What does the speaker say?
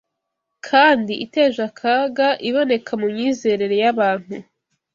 kandi iteje akaga iboneka mu myizerere y’abantu